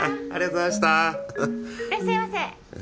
いらっしゃいませ！